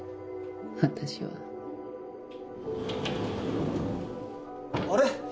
私はあれ？